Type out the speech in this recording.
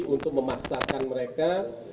untuk memaksakan mereka